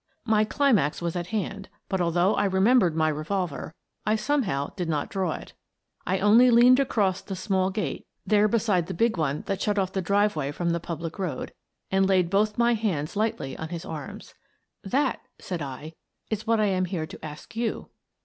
My climax was at hand, but, although I remem bered my revolver, I somehow did not draw it; I only leaned across the small gate, there beside the 132 Miss Frances Baird, Detective big one that shut off the driveway from the public road, and laid both my hands lightly on his arms. " That," said I, " is what I am here to ask you."